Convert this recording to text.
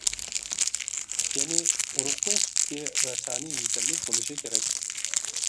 يەنى، ئۇرۇقنىڭ سۈپىتى ۋە سانى يېتەرلىك بولۇشى كېرەك.